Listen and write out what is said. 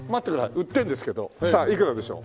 売ってるんですけどさあいくらでしょう？